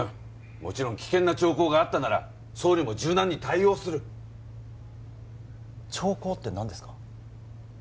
もちろん危険な兆候があったなら総理も柔軟に対応する兆候って何ですか？